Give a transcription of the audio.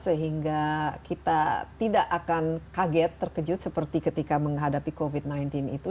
sehingga kita tidak akan kaget terkejut seperti ketika menghadapi covid sembilan belas itu